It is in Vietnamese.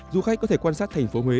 du khách có thể quan sát thành phố huế